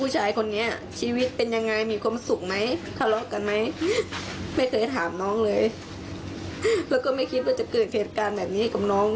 จะต้องถามตัวตายอยากให้กลับมาก่อน